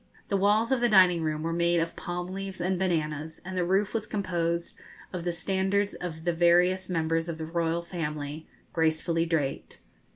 The walls of the dining room were made of palm leaves and bananas, and the roof was composed of the standards of the various members of the royal family, gracefully draped.